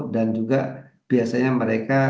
dan juga biasanya mereka